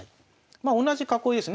まあ同じ囲いですね。